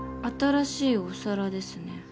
新しいお皿ですね。